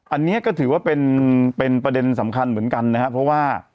อันนี้ก็ถือว่าเป็นประเด็นสำคัญเหมือนกันนะครับเพราะว่า